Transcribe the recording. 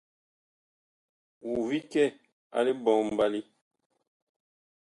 Wu vi kɛ a liɓombali ?